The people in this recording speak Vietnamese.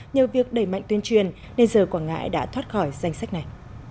nhờ việc đẩy mạnh tuyên truyền nên giờ quảng ngãi đã thoát khỏi danh sách này